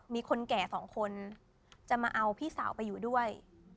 มีคนแก่สองคนจะมาเอาพี่สาวไปอยู่ด้วย